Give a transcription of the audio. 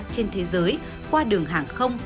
trên thế giới qua đường hàng không